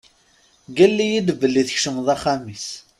Ggal-iyi-d belli tkecmeḍ axxam-is.